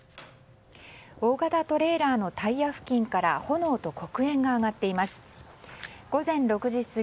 大型トレーラーのタイヤ付近から炎と黒煙が上がっています。